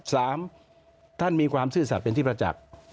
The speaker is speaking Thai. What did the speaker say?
สามท่านมีความทรศจรรย์เป็นที่พระจักร